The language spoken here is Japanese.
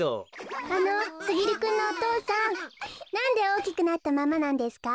あのすぎるくんのお父さんなんでおおきくなったままなんですか？